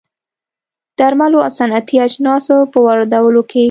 درملو او صنعتي اجناسو په واردولو کې